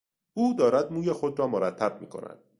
او دارد موی خود را مرتب میکند.